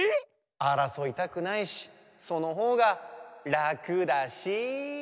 ・あらそいたくないしそのほうがらくだし。